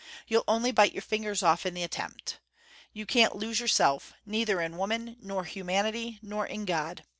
You'll only bite your fingers off in the attempt. You can't lose yourself, neither in woman nor humanity nor in God.